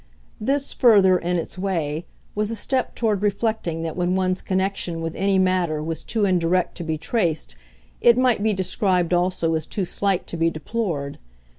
This, further, in its way, was a step toward reflecting that when one's connection with any matter was too indirect to be traced it might be described also as too slight to be deplored.